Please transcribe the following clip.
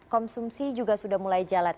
konsumsi juga sudah mulai jalan